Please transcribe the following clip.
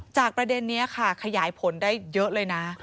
ประเด็นนี้ค่ะขยายผลได้เยอะเลยนะ